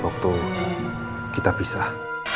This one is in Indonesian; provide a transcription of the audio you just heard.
waktu kita pisah